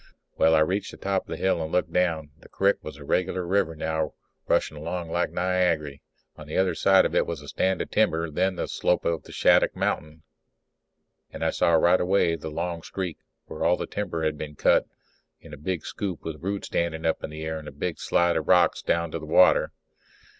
Well, I reached the top of the hill and looked down. The crick were a regular river now, rushing along like Niagary. On the other side of it was a stand of timber, then the slope of Shattuck mountain. And I saw right away the long streak where all the timber had been cut out in a big scoop with roots standing up in the air and a big slide of rocks down to the water.